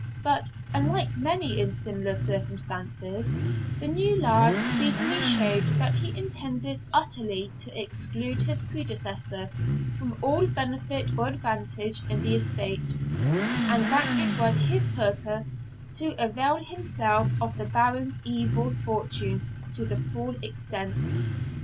But, unlike many in similar circumstances, the new laird speedily showed that he intended utterly to exclude his predecessor from all benefit or advantage in the estate, and that it was his purpose to avail himself of the old Baron's evil fortune to the full extent.